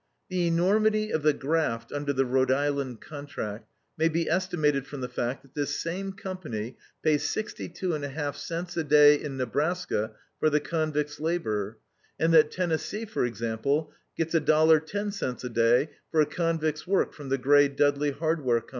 The enormity of the graft under the Rhode Island contract may be estimated from the fact that this same Company pays 62 1/2 cents a day in Nebraska for the convict's labor, and that Tennessee, for example, gets $1.10 a day for a convict's work from the Gray Dudley Hardware Co.